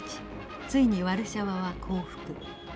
ついにワルシャワは降伏。